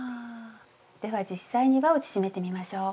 では実際にわを縮めてみましょう。